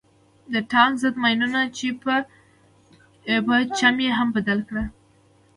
د ټانک ضد ماينونو په چم يې هم بلد کړم.